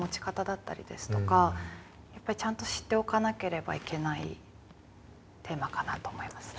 やっぱりちゃんと知っておかなければいけないテーマかなと思いますね。